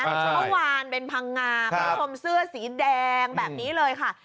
เมื่อวานเป็นพังงาคุณผู้ชมเสื้อสีแดงแบบนี้เลยค่ะ